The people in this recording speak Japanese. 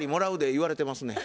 言われてますねや。